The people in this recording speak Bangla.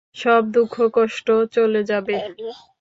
সব দুঃখ কষ্ট চলে যাবে।